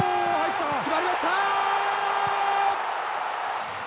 決まりました。